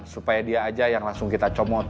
supaya dia aja yang langsung kita comot